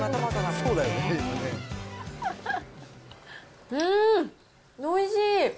うーん、おいしい！